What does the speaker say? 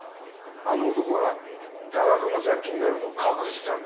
あの男は多額の借金があるのを隠してたんだよ。